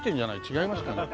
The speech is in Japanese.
違いますかね。